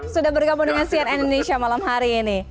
sudah bergabung dengan cnn indonesia malam hari ini